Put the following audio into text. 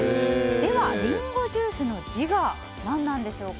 では、リンゴジュースの自我何なんでしょうか。